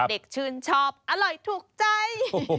เด็กชื่นชอบอร่อยถูกใจ